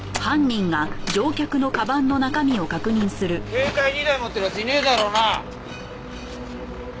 携帯２台持ってる奴いねえだろうな？